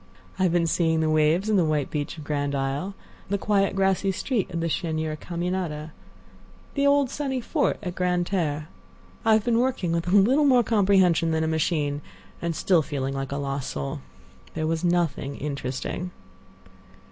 "I've been seeing the waves and the white beach of Grand Isle; the quiet, grassy street of the Chênière Caminada; the old sunny fort at Grande Terre. I've been working with a little more comprehension than a machine, and still feeling like a lost soul. There was nothing interesting."